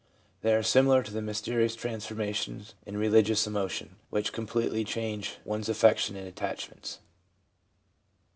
They are similar to the mys terious transformations in religious emotion, which completely change one's affections and attachments.